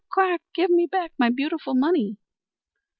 quack! Give me back my beautiful money!"